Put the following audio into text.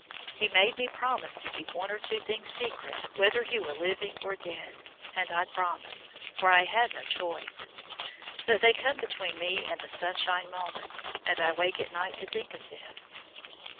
He made me promise to keep one or two things secret whether he were living or dead, and I promised, for I had no choice; but they come between me and the sunshine sometimes, and I wake at night to think of them.